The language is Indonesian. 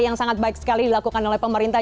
yang sangat baik sekali dilakukan oleh pemerintah